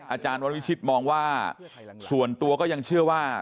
อาจารย์วริชิตมองว่าส่วนตัวก็ยังเชื่อว่า